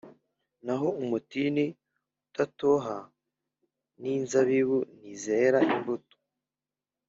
“Naho umutini utatoha n’inzabibu ntizere imbuto